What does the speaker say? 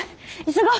急ごう！